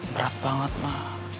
berat banget mak